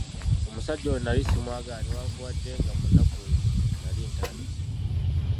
Omusajja ono nali simwagala newakubadde nga mu nnaku ezo nali ntandise.